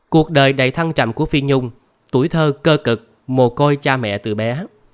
cuộc đời đầy thăng trầm của phi nhung tuổi thơ cơ cực mồ côi cha mẹ từ bé